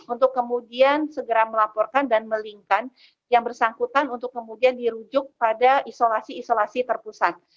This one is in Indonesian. untuk kemudian segera melaporkan dan melingkan yang bersangkutan untuk kemudian dirujuk pada isolasi isolasi terpusat